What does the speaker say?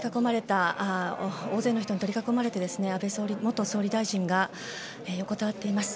大勢の人に取り囲まれて安倍元総理大臣が横たわっています。